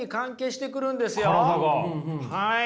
はい。